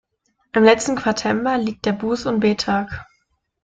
Im letzten Quatember liegt der Buß- und Bettag.